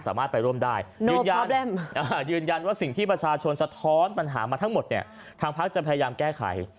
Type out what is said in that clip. สามารถไปร่วมได้ยืนยันยืนยันว่าสิ่งที่ประชาชนสะท้อนปัญหามาทั้งหมดเนี่ยทางพักจะพยายามแก้ไข